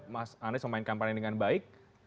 mas hanis memainkan pandangan dengan baik